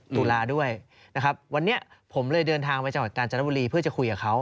ตุลาด้วยนะครับวันนี้ผมเลยเดินทางไปจังหวัดกาญจนบุรีเพื่อจะคุยกับเขา